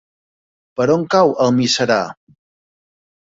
Per on cau Almiserà?